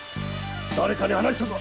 誰かに話したか？